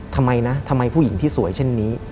ทำไมนะทำไมผู้หญิงที่สวยเช่นนี้